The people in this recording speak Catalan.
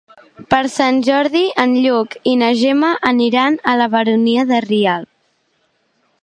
Per Sant Jordi en Lluc i na Gemma aniran a la Baronia de Rialb.